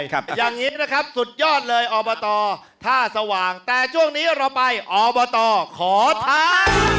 อย่างนี้นะครับสุดยอดเลยอบตท่าสว่างแต่ช่วงนี้เราไปอบตขอทาน